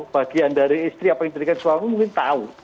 bagian dari istri apa yang diberikan suami mungkin tahu